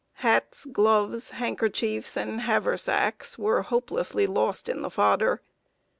Hats, gloves, handkerchiefs, and haversacks, were hopelessly lost in the fodder.